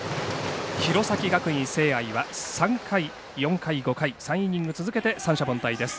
弘前学院聖愛は３回、４回、５回３イニング続けて三者凡退です。